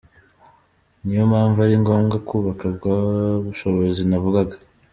Niyo mpamvu ari ngombwa kubaka bwa bushobozi navugaga.